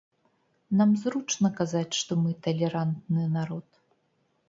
Нам зручна казаць, што мы талерантны народ.